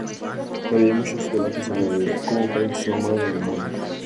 Todavía hay mucho debate sobre cómo opera el sistema humano de memoria.